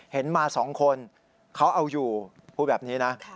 เห็นมา๒คนเขาเอาอยู่พูดแบบนี้นะ